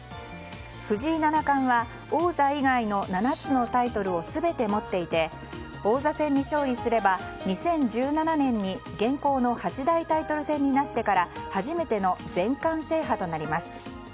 藤井七冠は王座以外の７つのタイトルを全て持っていて王座戦に勝利すれば２０１７年に現行の八大タイトル戦になってから初めての全冠制覇となります。